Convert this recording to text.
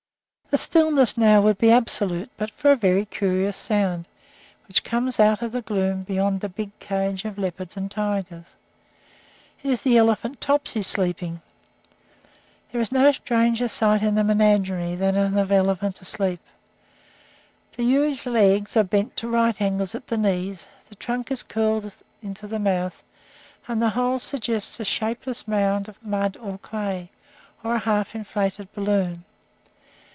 The stillness now would be absolute but for a very curious sound, which comes out of the gloom beyond the big cage of leopards and tigers. It is the elephant Topsy sleeping. There is no stranger sight in a menagerie than that of an elephant asleep. The huge legs are bent to right angles at the knees, the trunk is curled into the mouth, and the whole suggests a shapeless mound of mud or clay, or a half inflated balloon.